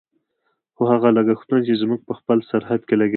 خو هغه لګښتونه چې زموږ په خپل سرحد کې لګېدل.